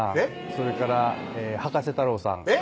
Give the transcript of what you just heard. それから葉加瀬太郎さん